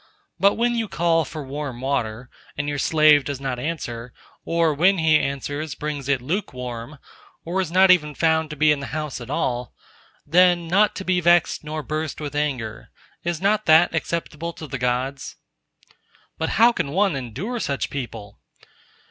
But when you call for warm water, and your slave does not answer, or when he answers brings it lukewarm, or is not even found to be in the house at all, then not to be vexed nor burst with anger, is not that acceptable to the Gods? "But how can one endure such people?"